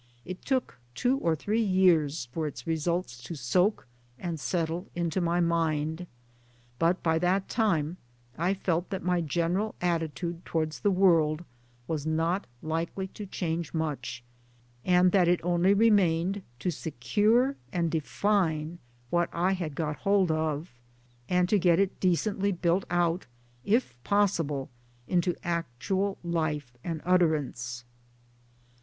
It took two or three years for its results to soak and settle into my mind ; but by that time I felt that my general attitude towards the world was not likely to change much, and that it only remained to secure and define what I had got hold of, and to get it decently built out if possible into actual life and utterance.